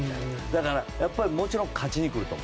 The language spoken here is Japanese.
だから、もちろん勝ちに来ると。